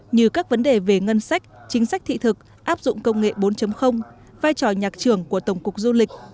như các vấn đề về ngân sách chính sách thị thực áp dụng công nghệ bốn vai trò nhạc trưởng của tổng cục du lịch